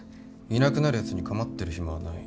いなくなるやつに構ってる暇はない。